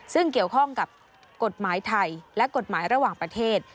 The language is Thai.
ซึ่งเกี่ยวข้องกับกฎหมายไทยและกฎหมายระหว่างประเทศ